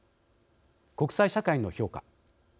国際社会の評価。